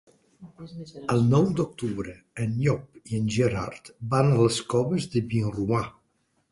El nou d'octubre en Llop i en Gerard van a les Coves de Vinromà.